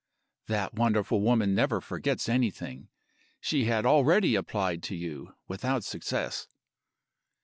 That wonderful woman never forgets anything. She had already applied to you, without success.